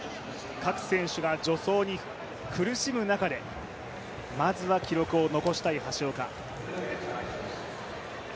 各選手が助走に苦しむ中でまずは記録を残したい橋岡。